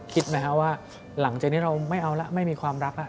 คิดไหมครับว่าหลังจากนี้เราไม่เอาแล้วไม่มีความรัก